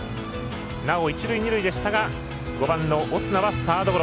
なお一塁二塁でしたが５番のオスナはサードゴロ。